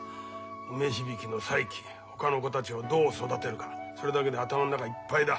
梅響の再起ほかの子たちをどう育てるかそれだけで頭の中いっぱいだ。